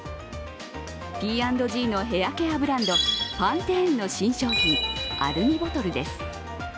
Ｐ＆Ｇのヘアケアブランド、パンテーンの新商品、アルミボトルです